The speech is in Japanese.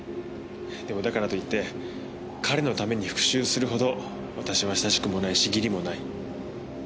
でもだからといって彼のために復讐するほど私は親しくもないし義理もない。